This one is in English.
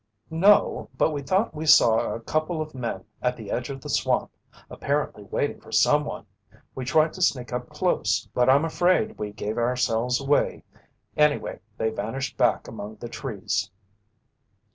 "No, but we thought we saw a couple of men at the edge of the swamp apparently waiting for someone. We tried to sneak up close, but I'm afraid we gave ourselves away. Anyway, they vanished back among the trees."